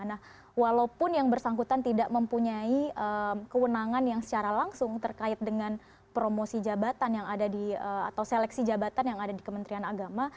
nah walaupun yang bersangkutan tidak mempunyai kewenangan yang secara langsung terkait dengan promosi jabatan yang ada di atau seleksi jabatan yang ada di kementerian agama